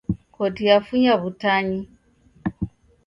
Koti yafunya w'utanyi.